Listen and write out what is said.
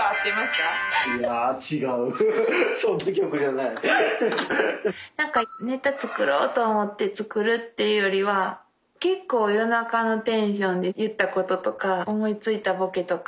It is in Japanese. なんかネタ作ろうと思って作るっていうよりは結構夜中のテンションで言ったこととか思いついたボケとか。